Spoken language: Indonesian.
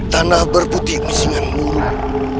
tanah berputing bisingan murung